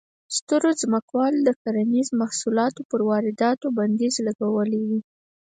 سترو ځمکوالو د کرنیزو محصولاتو پر وارداتو بندیز لګولی و.